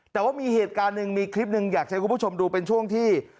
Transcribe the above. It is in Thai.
แต่ว่ามีเหตุการณ์หนึ่งมีคลิปหนึ่งอยากจะให้คุณผู้ชมดูเป็นช่วงที่